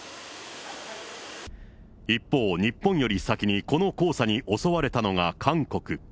一方、日本より先にこの黄砂に襲われたのが韓国。